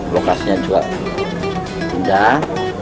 lokasinya juga indah